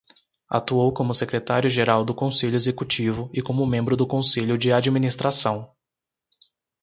Atuou como secretário-geral do Conselho Executivo e como membro do Conselho de administração.